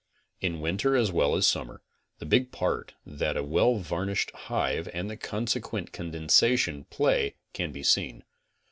In winter as well as summer, the big part that a well var nished hive and the consequent condensation play can be seen.